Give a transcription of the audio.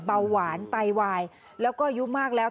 เบาหวานไตวายแล้วก็อายุมากแล้ว